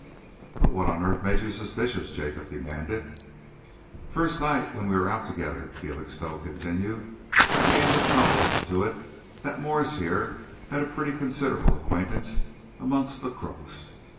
"But what on earth made you suspicious?" Jacob demanded. "First night we were out together," Felixstowe continued, "I began to tumble to it that Morse here had a pretty considerable acquaintance amongst the crooks.